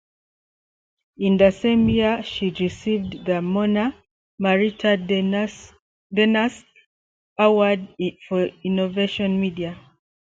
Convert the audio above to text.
In the same year she received the Mona Marita Dingus Award for Innovative Media.